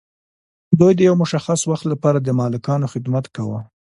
دوی د یو مشخص وخت لپاره د مالکانو خدمت کاوه.